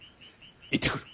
行ってくる。